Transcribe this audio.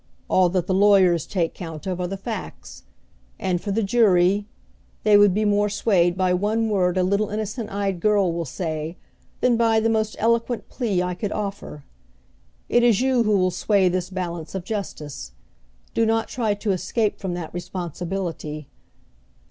All that the lawyers take count of are the facts; and for the jury, they would be more swayed by one word a little innocent eyed girl will say, than by the most eloquent plea I could offer. It is you who will sway this balance of justice. Do not try to escape from that responsibility.